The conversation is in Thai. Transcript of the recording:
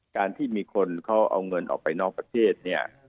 การที่มีคนเขาเอาเงินออกไปนอกประเทศเนี่ย